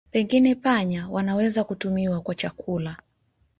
Pengine panya wanaweza kutumiwa kwa chakula.